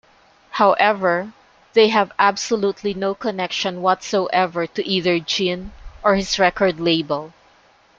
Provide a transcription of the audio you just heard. However, they have absolutely no connection whatsoever to either Ginn or his record label.